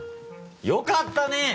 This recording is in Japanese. よかったねぇ！